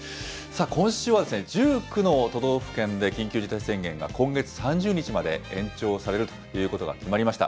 今週は１９の都道府県で緊急事態宣言が今月３０日まで延長されるということが決まりました。